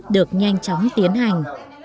được nhanh chóng tiến hành